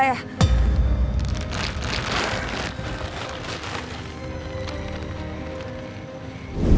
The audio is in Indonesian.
iya jadi waktu itu saya lagi mau ke rumah tante saya